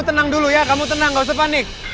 kamu tenang dulu ya kamu tenang gausah panik